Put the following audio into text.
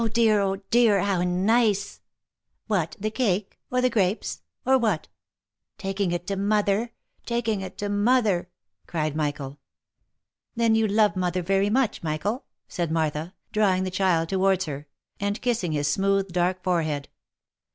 dear, oh ! dear, how nice !"" What, the cake ?— or the grapes ?— or what ?"" Taking it to mother ! Taking it to mother !" cried Michael. " Then you love mother very much, Michael?" said Martha, drawing the child towards her, and kissing his smooth dark fore head.